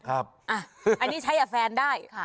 อันนี้ใช้กับแฟนได้